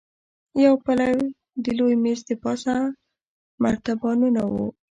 يو پلو د لوی مېز دپاسه مرتبانونه وو.